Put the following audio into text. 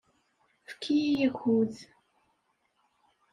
Efk-iyi akud.